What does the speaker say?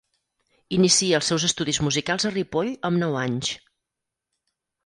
Inicia els seus estudis musicals a Ripoll amb nou anys.